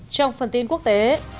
trong phần tin quốc tế